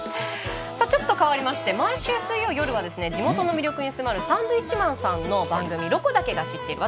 ちょっと変わりまして毎週水曜夜はですね地元の魅力に迫るサンドウィッチマンさんの番組「ロコだけが知っている」